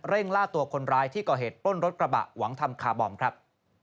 ล่าตัวคนร้ายที่ก่อเหตุปล้นรถกระบะหวังทำคาร์บอมครับ